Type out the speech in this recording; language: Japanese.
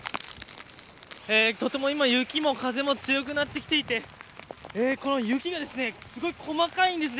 とても、今、雪も風も強くなってきていてこれ雪が、すごく細かいんです。